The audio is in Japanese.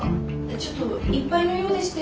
ちょっといっぱいのようでして。